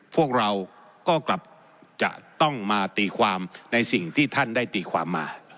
พวกเราก็กลับจะต้องมาตีความในสิ่งที่ท่านได้ตีความมา